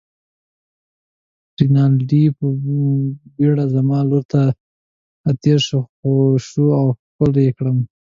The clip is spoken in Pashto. رینالډي په بېړه زما لور ته راتېر شو، خم شو او ښکل يې کړم.